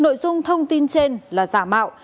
nội dung thông tin trên là giả mạo